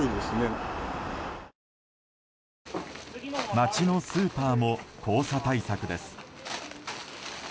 街のスーパーも黄砂対策です。